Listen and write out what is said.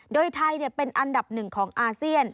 โดยไทยเป็นอันดับหนึ่งของอาเซียน